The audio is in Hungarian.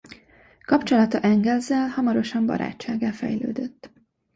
Kapcsolata Engelssel hamarosan barátsággá fejlődött.